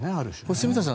住田さん